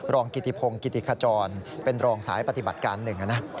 กิติพงศ์กิติขจรเป็นรองสายปฏิบัติการหนึ่งนะ